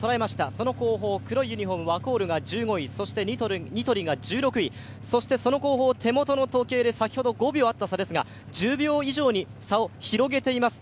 その後方、黒いユニフォームのワコールが１５位、ニトリが１６位、その後方、手元の時計で先ほど５秒あった差ですが１０秒以上に差を広げています。